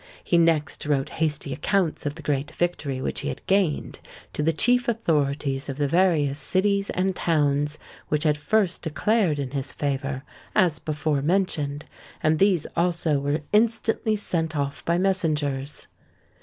He next wrote hasty accounts of the great victory which he had gained, to the chief authorities of the various cities and towns which had first declared in his favour, as before mentioned; and these also were instantly sent off by messengers.